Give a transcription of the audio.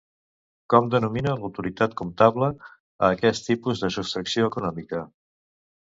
Com denomina l'autoritat comptable a aquest tipus de sostracció econòmica?